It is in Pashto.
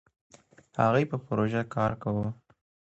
هغوی په پروژه کار کاوه.